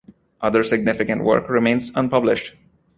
Other significant work remains unpublished.